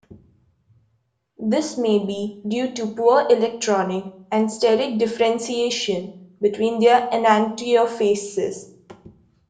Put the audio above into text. This may be due to poor electronic and steric differentiation between their enantiofaces.